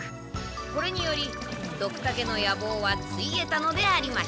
これによりドクタケの野望はついえたのでありました